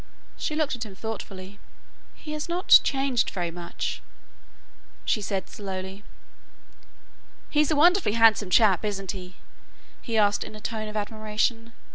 She looked at him thoughtfully. "He has not changed very much," she said slowly. "He's a wonderfully handsome chap, isn't he?" he asked in a tone of admiration.